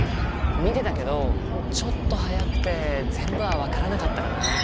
見てたけどちょっと速くて全部は分からなかったかな。